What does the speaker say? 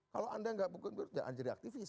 kalau anda enggak bukan bukan ya anda jadi aktivis